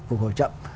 phục hồi chậm